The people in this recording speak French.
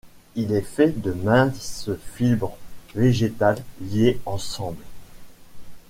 Il est fait de minces fibres végétales liées ensemble.